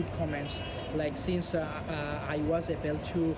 konsep halal di bangladesh